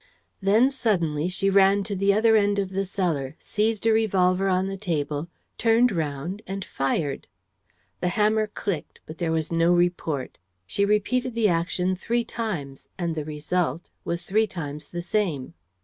Then suddenly she ran to the other end of the cellar, seized a revolver on the table, turned round and fired. The hammer clicked, but there was no report. She repeated the action three times; and the result, was three times the same.